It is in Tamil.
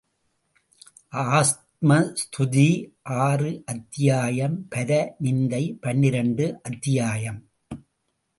ஆத்ம ஸ்துதி ஆறு அத்தியாயம் பர நிந்தை பன்னிரண்டு அத்தியாயம்.